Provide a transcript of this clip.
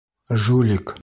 Жулик!